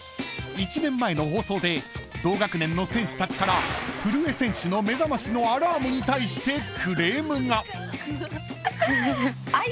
［１年前の放送で同学年の選手たちから古江選手の目覚ましのアラームに対してクレームが］